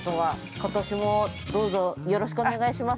ことしもどうぞよろしくお願いします。